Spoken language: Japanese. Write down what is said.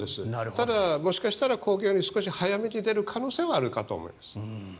ただ、もしかしたら抗原よりは少し早めに出る可能性はあるかと思います。